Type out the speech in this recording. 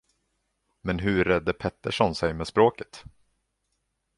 Men hur redde Pettersson sig med språket?